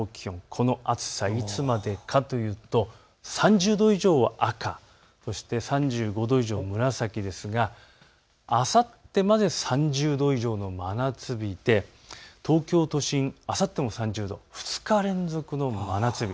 この暑さ、いつまでかというと３０度以上は赤、そして３５度以上、紫ですがあさってまで３０度以上の真夏日で東京都心あさっても３０度、２日連続の真夏日。